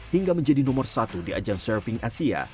hingga menjadi nomor satu di ajang surfing asia